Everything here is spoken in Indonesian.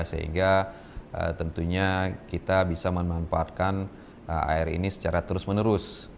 sehingga tentunya kita bisa memanfaatkan air ini secara terus menerus